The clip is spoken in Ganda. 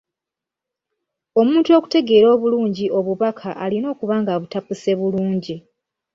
Omuntu okutegeera obulungi obubaka alina okuba ng’abutapuse bulungi.